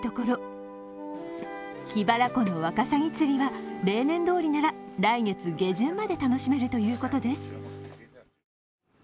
桧原湖のワカサギ釣りは例年どおりなら、来月下旬まで楽しめるということです。